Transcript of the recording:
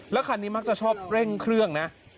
คันนี้มักจะชอบเร่งเครื่องนะ